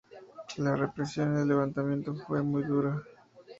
La represión del levantamiento fue muy dura.